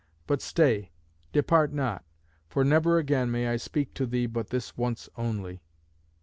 But stay; depart not; for never again may I speak to thee but this once only."